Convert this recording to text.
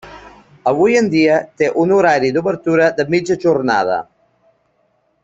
Avui en dia té un horari d'obertura de mitja jornada.